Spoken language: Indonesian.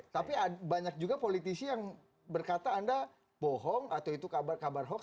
tapi banyak juga politisi yang berkata anda bohong atau itu kabar kabar hoax